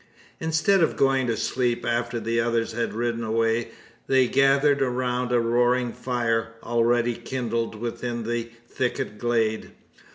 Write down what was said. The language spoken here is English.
Instead of going to sleep, after the others had ridden away, they gathered around a roaring fire, already kindled within the thicket glade.